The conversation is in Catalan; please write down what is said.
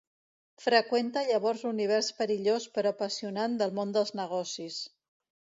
Freqüenta llavors l'univers perillós però apassionant del món dels negocis.